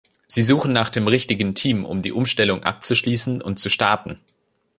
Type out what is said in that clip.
Sie suchen nach dem richtigen Team, um die Umstellung abzuschließen und zu starten.